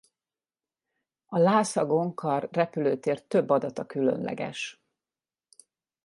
A Lhásza-Gonkar repülőtér több adata különleges.